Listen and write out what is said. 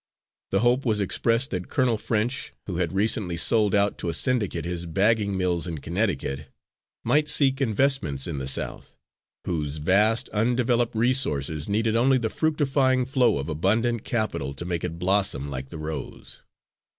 The hope was expressed that Colonel French, who had recently sold out to a syndicate his bagging mills in Connecticut, might seek investments in the South, whose vast undeveloped resources needed only the fructifying flow of abundant capital to make it blossom like the rose.